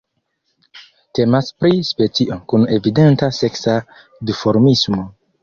Temas pri specio kun evidenta seksa duformismo.